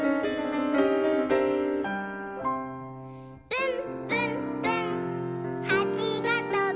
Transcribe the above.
「ぶんぶんぶんはちがとぶ」